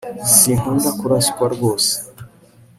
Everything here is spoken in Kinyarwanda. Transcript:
sinkunda kuraswa rwose